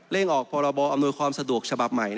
่งออกพรบอำนวยความสะดวกฉบับใหม่